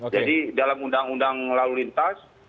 jadi dalam undang undang lalu lintas